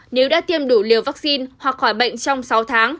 nếu đã tiêm đủ liều vaccine hoặc khỏi bệnh trong sáu tháng